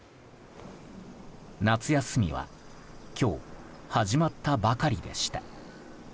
夏休みは今日、始まったばかりでした。